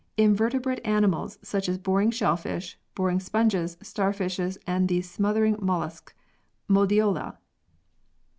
Invertebrate animals, such as boring shellfish, boring sponges, starfishes and the smother ing mollusc, Modiola.